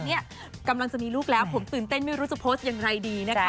เนี่ยกำลังจะมีลูกแล้วผมตื่นเต้นไม่รู้จะโพสต์อย่างไรดีนะคะ